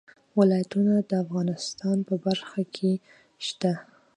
ولایتونه د افغانستان په هره برخه کې شته.